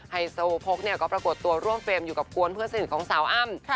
ไฮโซโพกเนี่ยก็ปรากฏตัวร่วมเฟรมอยู่กับกวนเพื่อนสนิทของสาวอ้ำ